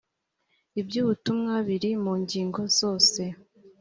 iby ubutumwa biri mu ngingo zose